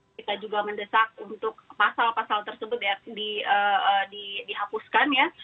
kita juga mendesak untuk pasal pasal tersebut dihapuskan ya